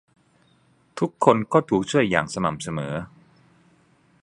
ทุกคนก็ถูกช่วยอย่างสม่ำเสมอ